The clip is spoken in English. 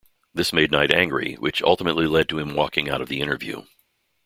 This made Knight angry, which ultimately led to him walking out of the interview.